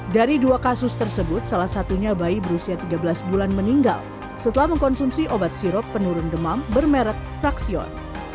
dari dua kasus tersebut salah satunya bayi berusia tiga belas bulan meninggal setelah mengkonsumsi obat sirop penurun demam bermerek fraksion